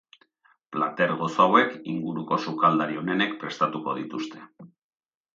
Plater gozo hauek, inguruko sukladari onenek prestatuko dituzte.